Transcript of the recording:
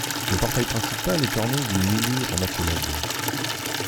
Le portail principal est orné d'une moulure en accolade.